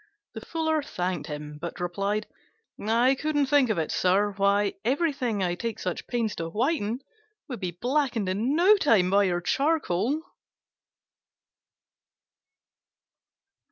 The Fuller thanked him, but replied, "I couldn't think of it, sir: why, everything I take such pains to whiten would be blackened in no time by your charcoal."